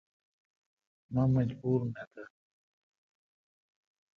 مہ مجبور نہ تھ۔